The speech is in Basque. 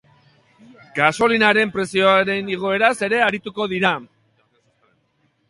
Gasolinaren prezioen igoeraz ere arituko dira.